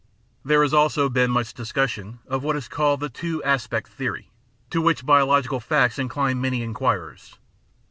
There has also been much discussion of what is called The Two Aspect Theory, to which biological facts incline many in quirers.